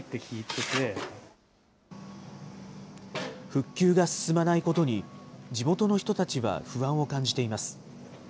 復旧が進まないことに、地元の人たちは不安を感じています。